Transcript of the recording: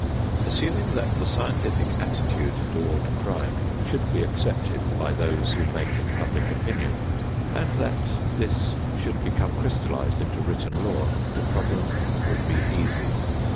Assuming that the scientific attitude toward crime should be accepted by those who make public opinion, and that this should become crystallized into written law, the problem would be easy.